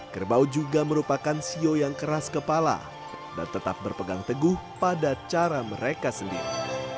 kerbau juga merupakan sio yang keras kepala dan tetap berpegang teguh pada cara mereka sendiri